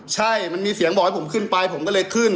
ใช่มันมีเสียงบอกให้ผมขึ้นไปผมก็เลยขึ้น